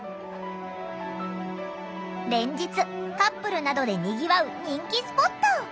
連日カップルなどでにぎわう人気スポット。